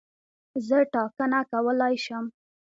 زه ټاکنه کولای شم.